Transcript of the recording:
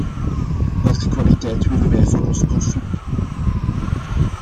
Welke kwaliteit willen wij voor onze consumenten?